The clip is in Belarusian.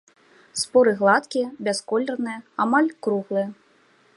Споры гладкія, бясколерныя, амаль круглыя.